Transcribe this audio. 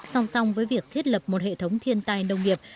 song song với việc thiết lập một hệ thống thiên tai nông nghiệp